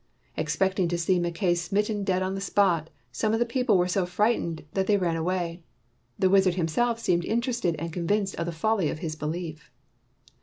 Expecting to see Mackay smitten dead on the spot, some of the people were so frightened that they ran away. The wizard himself seemed interested and convinced of the folly of his belief.